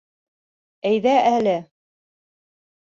Әйҙә әле!